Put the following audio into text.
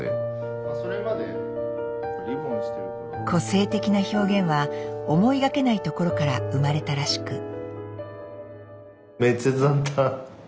個性的な表現は思いがけないところから生まれたらしく。